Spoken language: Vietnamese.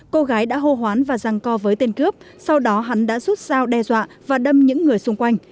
cô gái đã hô hoán và răng co với tên cướp sau đó hắn đã rút dao đe dọa và đâm những người xung quanh